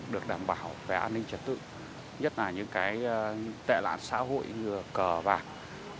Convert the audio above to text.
được đảm bảo về an ninh trật tự nhất là những tệ lạc xã hội như cờ vàng